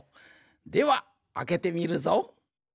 ではあけてみるぞ。